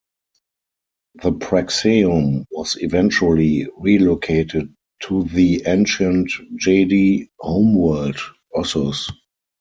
The Praxeum was eventually relocated to the ancient Jedi homeworld, Ossus.